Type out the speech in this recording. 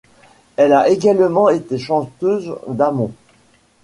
Elle a également été chanteuse d'Amon.